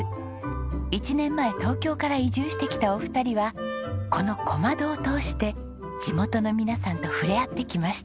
１年前東京から移住してきたお二人はこの小窓を通して地元の皆さんと触れ合ってきました。